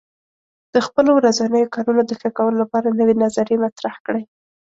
د خپلو ورځنیو کارونو د ښه کولو لپاره نوې نظریې مطرح کړئ.